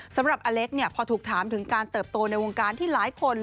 สำหรับอเล็กเนี่ยพอถูกถามถึงการเติบโตในวงการที่หลายคน